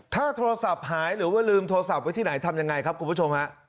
ถ้าโทรศัพท์หายหรือว่าลืมโทรศัพท์ไว้ที่ไหนทำยังไงครับคุณผู้ชมฮะ